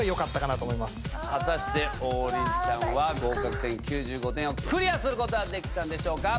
果たして王林ちゃんは合格点９５点をクリアすることはできたんでしょうか？